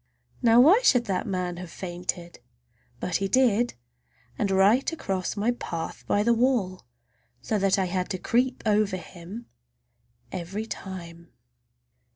Now why should that man have fainted? But he did, and right across my path by the wall, so that I had to creep over him every time!